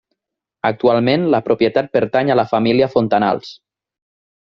Actualment la propietat pertany a la família Fontanals.